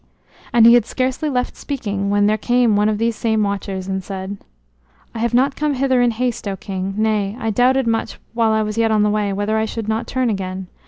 And he had scarcely left speaking when there came one of these same watchers and said: "I have not come hither in haste, O King; nay, I doubted much, while I was yet on the way, whether I should not turn again.